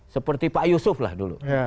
seperti pak yusuf lah dulu